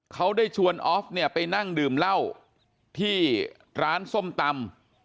เขาได้ชวนออฟเนี่ยไปนั่งดื่มเหล้าที่ร้านส้มตำ